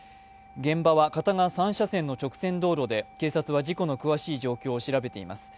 現場は片側３車線の直線道路で警察は事故の詳しい状況を調べています。